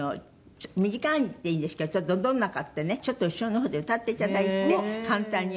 短いのでいいですけどちょっとどんなのかってねちょっと後ろの方で歌って頂いて簡単に。